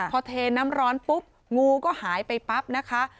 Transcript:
พอเทน้ำร้อนปุ๊บงูก็หายไปปั๊บนะคะ